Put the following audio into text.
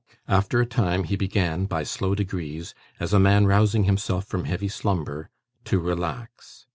After a time, he began, by slow degrees, as a man rousing himself from heavy slumber, to relax.